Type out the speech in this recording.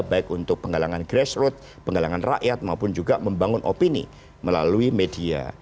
baik untuk penggalangan grassroot penggalangan rakyat maupun juga membangun opini melalui media